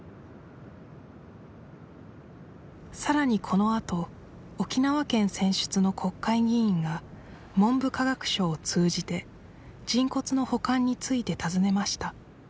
さらにこのあと沖縄県選出の国会議員が文部科学省を通じて人骨の保管について尋ねました